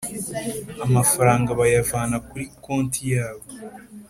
Amafaranga bayavana kuri konti yabo